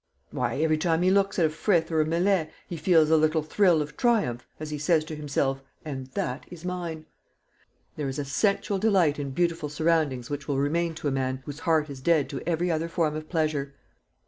Why, every time he looks at a Frith or Millais he feels a little thrill of triumph, as he says to himself, 'And that is mine.' There is a sensuous delight in beautiful surroundings which will remain to a man whose heart is dead to every other form of pleasure.